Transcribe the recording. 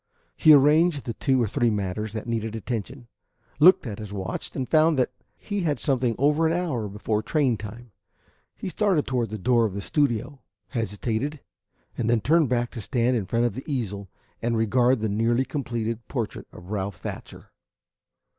He arranged the two or three matters that needed attention, looked at his watch, and found that he had something over an hour before train time. He started toward the door of the studio, hesitated, and then turned back to stand in front of the easel and regard the nearly completed portrait of Ralph Thatcher.